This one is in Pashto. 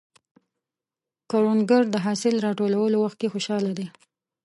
کروندګر د حاصل راټولولو وخت خوشحال دی